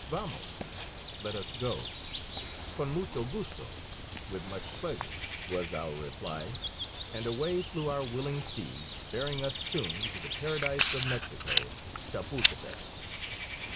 "Vamos?" (Let us go). "Con mucho gusto" (with much pleasure), was our reply, and away flew our willing steeds, bearing us soon to the paradise of Mexico Chapultepec.